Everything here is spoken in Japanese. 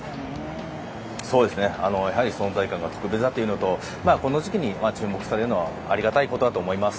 やはり存在感が特別だということとこの時期に注目されるのはありがたいことだと思います。